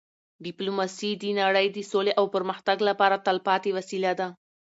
ډيپلوماسي د نړی د سولې او پرمختګ لپاره تلپاتې وسیله ده.